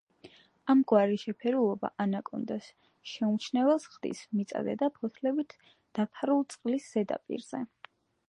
ამგვარი შეფერილობა ანაკონდას შეუმჩნეველს ხდის მიწაზე და ფოთლებით დაფარულ წყლის ზედაპირზე.